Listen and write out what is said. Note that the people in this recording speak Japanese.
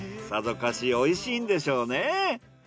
さぞかしおいしいんでしょうね。